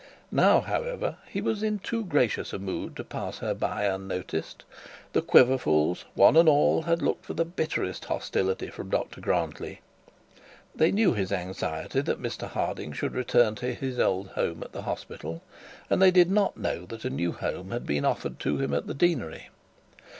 Now, however, he was in too gracious a mood to pass her by unnoticed. The Quiverfuls, one and all, had looked for the bitterest hostility from Dr Grantly; they knew his anxiety for Mr Harding should return to his old home at the hospital, and they did not know that a new home had been offered to him at the deanery.